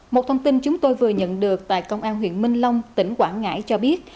một thông tin chúng tôi vừa nhận được tại công an huyện minh long tỉnh quảng ngãi cho biết